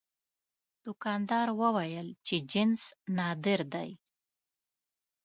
دوکاندار وویل چې جنس نادر دی.